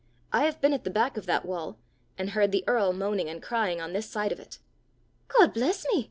I have been at the back of that wall, and heard the earl moaning and crying on this side of it!" "God bless me!"